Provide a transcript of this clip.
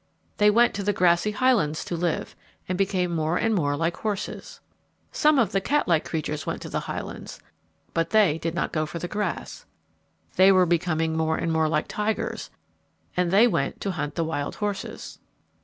They went to the grassy highlands to live, and became more and more like horses. Some of the cat like creatures went to the highlands, but they did not go for the grass. They were becoming more and more like tigers, and they went to hunt the wild horses.